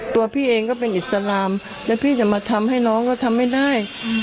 พี่เองก็เป็นอิสลามแล้วพี่จะมาทำให้น้องก็ทำไม่ได้